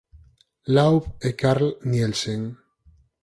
Laub e Carl Nielsen.